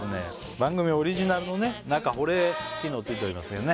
番組オリジナルのね中保冷機能ついておりますけどね